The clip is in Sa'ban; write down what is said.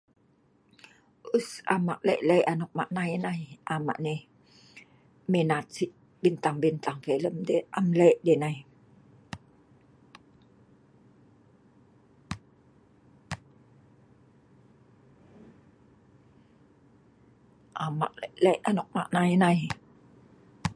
Us am ek leh-leh anok mahnai nai, am ek nai minat si bintang-bintang filem deh, am leh deh nai......... am ek leh-leh anok mah nai nai.